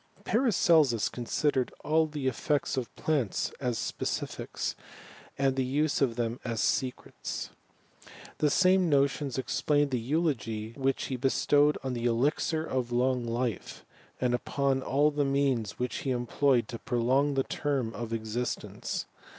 Paracelsus considered all the effects of plants as specifics, and the use of them as secrets. The same Bottons explain the eulogy which he bestowed on the ^ixiroflong life, and upon all the means which he employed to prolong the term of existence.